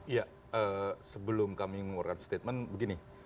ya sebelum kami mengeluarkan statement begini